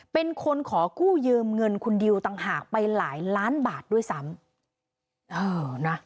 เป็นคนขอกู้ยืมเงินคุณดิวต่างหากไปหลายล้านบาทด้วยซ้ำ